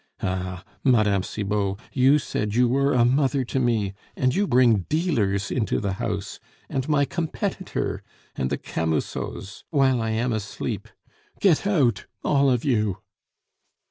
Ah! Mme. Cibot, you said you were a mother to me, and you bring dealers into the house, and my competitor and the Camusots, while I am asleep!... Get out, all of you!